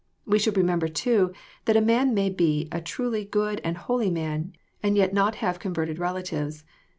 We should remember too, that a man may be a truly good and holy man, and yet not have converted rela tives.